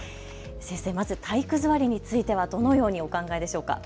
先生、まず体育座りについてはどのようにお考えでしょうか。